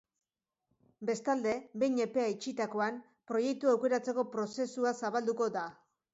Bestalde, behin epea itxitakoan, proiektua aukeratzeko prozesua zabalduko da.